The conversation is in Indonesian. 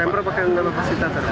pemprov pakai yang nggak fasilitator